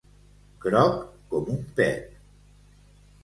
Groc com un pet.